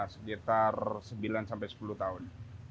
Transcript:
sekitar sembilan sampai sepuluh tahun